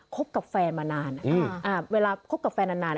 คุณคุณมีคู่นะคะ